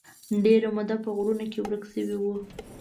ډېره موده په غرونو کې ورک شوی و.